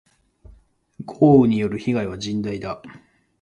豪雨による被害は甚大だ。